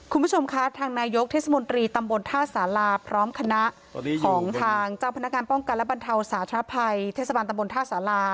คุณผู้ชมคะทางนายกเทศมนตรีตำบลท่าสาราพร้อมคณะของทางเจ้าพนักงานป้องกันและบรรเทาสาธารณภัยเทศบาลตำบลท่าสารา